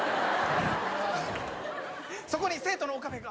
そこに生徒の岡部が。